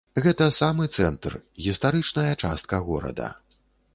Гэта самы цэнтр, гістарычная частка горада.